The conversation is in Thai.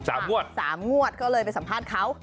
งวดสามงวดก็เลยไปสัมภาษณ์เขา